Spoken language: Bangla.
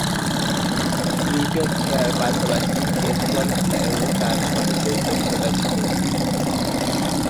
ক্রিকেট খেলার পাশাপাশি বেসবল খেলায়ও তার সবিশেষ দক্ষতা ছিল।